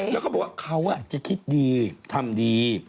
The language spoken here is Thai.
แล้วก็บอกว่าเขาจะคิดดีทำดี